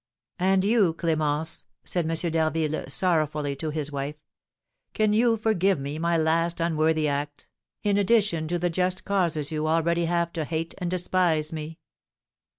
"And you, Clémence," said M. d'Harville, sorrowfully, to his wife, "can you forgive me my last unworthy act, in addition to the just causes you already have to hate and despise me?"